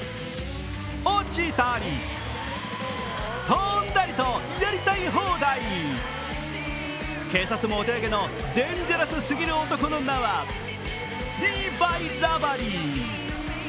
落ちたり、飛んだりとやりたい放題警察もお手上げのデンジャラスすぎる男の名はリーヴァイ・ラバリー。